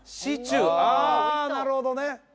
あなるほどねあ！